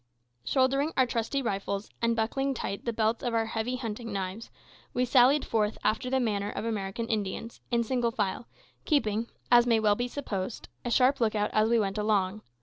Shouldering our trusty rifles, and buckling tight the belts of our heavy hunting knives, we sallied forth after the manner of American Indians, in single file, keeping, as may well be supposed, a sharp lookout as we went along.